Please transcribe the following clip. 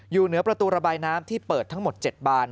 อยู่เหนือประตูระบายน้ำที่เปิดทั้งหมด๗บาน